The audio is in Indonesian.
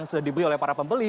sudah dibeli oleh para pembeli